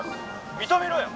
認めろよ！」